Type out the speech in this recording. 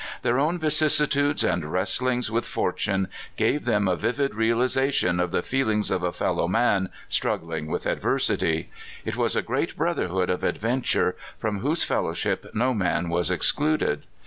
Their own vicissi tudes and wrestlings with fortune gave them a vivid realization of the feelings of a fellow man struggling Avith adversity. It was a great Brother hood of Adventure, from whose fellowship no man was excluded.